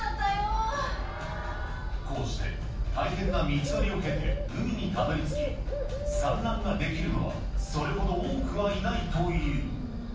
こうして、大変な道のりを経て、海にたどりつき、産卵ができるのは、それほど多くはいないという。